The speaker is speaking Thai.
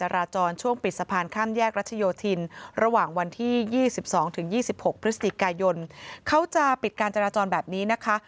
โรงการที่๑วัน๒๖พคเขาจะปิดการจราจรแบบนี้นะคะ